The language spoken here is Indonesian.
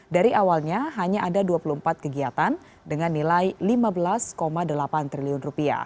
dari awalnya hanya ada dua puluh empat kegiatan dengan nilai rp lima belas delapan triliun